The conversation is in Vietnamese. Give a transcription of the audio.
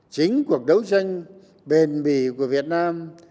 chính cuộc đấu tranh bền bỉ của việt nam